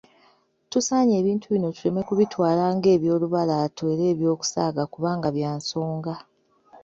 Tusaanye ebintu bino tuleme kubitwala ng'ebyolubalaato, era eby'okusaaga kubanga bya nsonga !